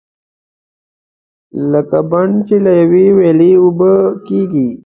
لکه بڼ چې له یوې ویالې اوبه کېږي.